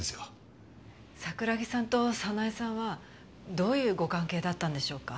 桜木さんと早苗さんはどういうご関係だったんでしょうか？